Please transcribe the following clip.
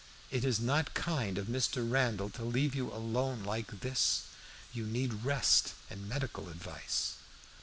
It is not kind of Mr. Randall to leave you alone like this. You need rest and medical advice."